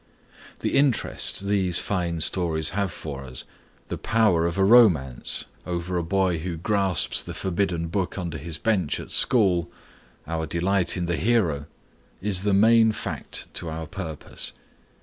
The interest these fine stories have for us, the power of a romance over the boy who grasps the forbidden book under his bench at school, our delight in the hero, is the main fact to our purpose.